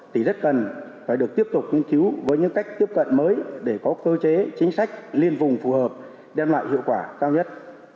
thì rất cần phải được tiếp tục nghiên cứu với những cách tiếp cận mới để có cơ chế chính sách liên vùng phù hợp đem lại hiệu quả cao nhất